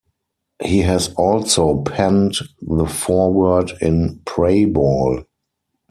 He has also penned the foreword in Pray Ball!